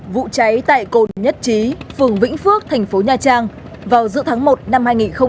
vụ cháy tại cồn nhất trí phường vĩnh phước thành phố nha trang vào giữa tháng một năm hai nghìn hai mươi